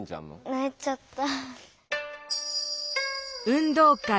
ないちゃった。